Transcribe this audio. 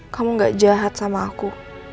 kamu gak jahat sama aku